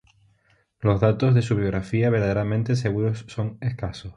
Los datos de su biografía verdaderamente seguros son escasos.